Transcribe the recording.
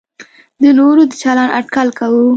د نورو د چلند اټکل کوو.